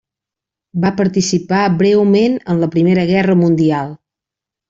Va participar breument en la Primera Guerra Mundial.